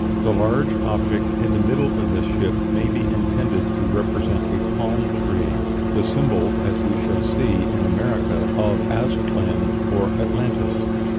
The large object in the middle of this ship may be intended to represent a palm tree the symbol, as we shall see, in America, of Aztlan, or Atlantis.